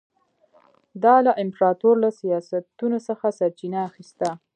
دا له امپراتور له سیاستونو څخه سرچینه اخیسته.